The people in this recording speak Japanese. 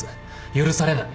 許されない。